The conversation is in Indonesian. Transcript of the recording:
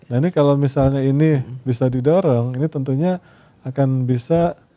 nah ini kalau misalnya ini bisa didorong ini tentunya akan bisa